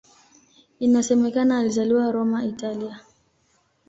Inasemekana alizaliwa Roma, Italia.